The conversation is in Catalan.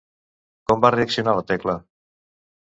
Com va reaccionar la Tecla?